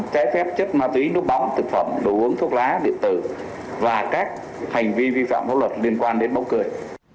trái phép chất ma túy nước bóng thực phẩm đồ uống thuốc lá điện tử và các hành vi vi phạm pháp luật liên quan đến bóng cười